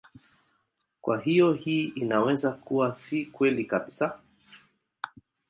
Kwa hiyo hii inaweza kuwa si kweli kabisa.